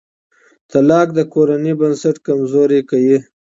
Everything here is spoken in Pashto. طلاق د کورنۍ بنسټ کمزوری کوي.